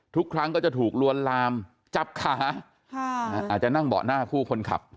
ทุกครั้งก็จะถูกลวนลามจับขาอาจจะนั่งเบาะหน้าคู่คนขับ